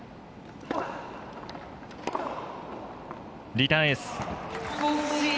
リターンエース。